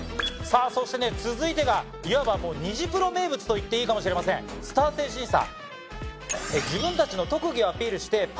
そして続いてがいわば『ニジプロ』名物といっていいかもしれませんスター性審査。